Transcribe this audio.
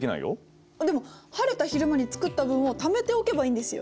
でも晴れた昼間に作った分をためておけばいいんですよ。